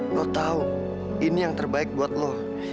lo tahu ini yang terbaik buat lo